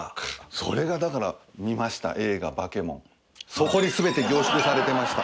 それがだから見ました映画『バケモン』そこにすべて凝縮されてました。